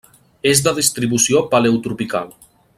És de distribució paleotropical.